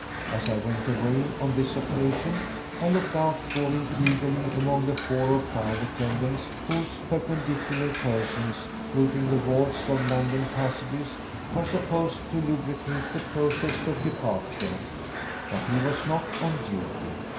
As I went away on this occasion I looked out for him eagerly among the four or five attendants whose perpendicular persons, fluting the walls of London passages, are supposed to lubricate the process of departure; but he was not on duty.